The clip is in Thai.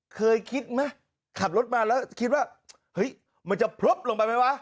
เคยคิดไหมขับรถมาแล้วคิดว่าเฮ้ยมันจะพลบลงไปไหมวะ